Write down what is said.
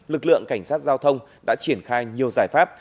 lực lượng cảnh sát giao thông đã triển khai nhiều giải pháp